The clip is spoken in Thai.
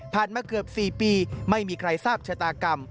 มาเกือบ๔ปีไม่มีใครทราบชะตากรรม